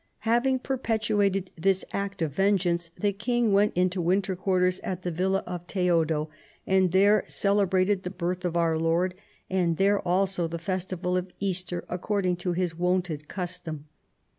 " Having per petrated this act of vengeance, the king went into winter quarters at the villa of Theodo, and there celebrated the birth of our Lord, and there also the festival of Easter, according to his wonted custom."